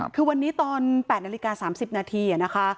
คือวันนี้ตอน๘นาฬิกา๓๐นาทีนะคะ